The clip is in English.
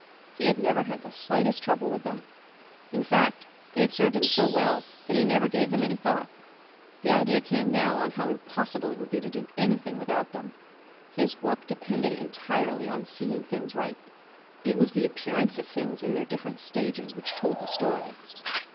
He had never had the slightest trouble with them; in fact they had served him so well that he never gave them any thought. The idea came now of how impossible it would be to do anything without them. His work depended entirely on seeing things right; it was the appearance of things in their different stages which told the story.